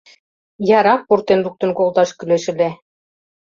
Ярак пуртен луктын колташ кӱлеш ыле.